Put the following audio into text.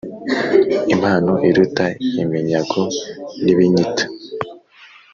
impano iruta iminyago n’ibinyita.